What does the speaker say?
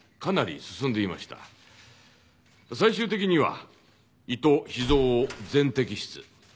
最終的には胃と脾臓を全摘出。